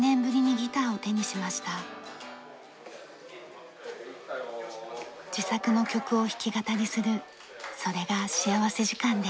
自作の曲を弾き語りするそれが幸福時間です。